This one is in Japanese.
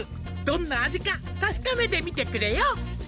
「どんな味か確かめてみてくれよ」